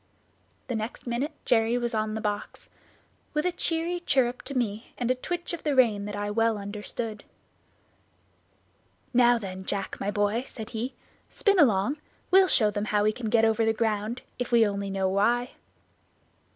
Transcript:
The next minute Jerry was on the box; with a cheery chirrup to me, and a twitch of the rein that I well understood. "Now then, Jack, my boy," said he, "spin along, we'll show them how we can get over the ground, if we only know why."